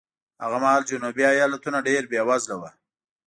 هغه مهال جنوبي ایالتونه ډېر بېوزله وو.